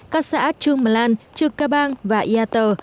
các xã trương mà lan trương ca bang và ea tờ